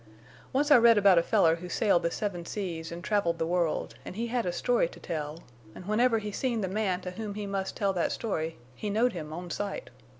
Once I read about a feller who sailed the seven seas an' traveled the world, an' he had a story to tell, an' whenever he seen the man to whom he must tell that story he knowed him on sight.